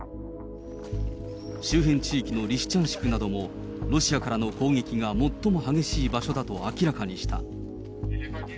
周辺地域のリシチャンシクなどもロシアからの攻撃が最も激しい場所だと明らかにした。